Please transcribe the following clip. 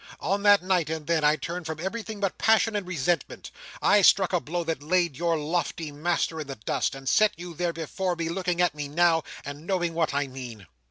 On that night, and then, I turned from everything but passion and resentment. I struck a blow that laid your lofty master in the dust, and set you there, before me, looking at me now, and knowing what I mean."